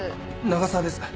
永沢です